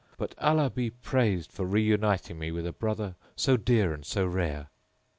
but Allah be praised for reuniting me with a brother so dear and so rare!"